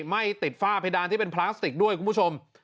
ไม่ติดฝ้าเพดานที่เป็นพลาสติกด้วยคุณผู้ชม